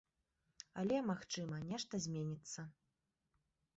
Але, магчыма, нешта зменіцца.